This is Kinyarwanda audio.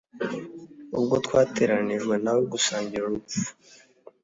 ubwo twateranijwe na we gusangira urupfu